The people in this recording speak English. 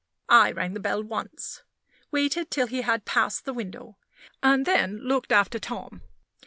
I rang the bell once waited till he had passed the window and then looked after Tom.